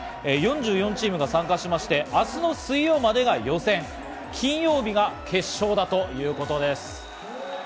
４４チームが参加しまして明日の水曜までが予選、金曜日が決勝だということです。